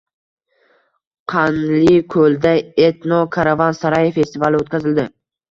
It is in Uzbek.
Qanliko‘lda “Etno Karavan Saray” festivali o‘tkazildi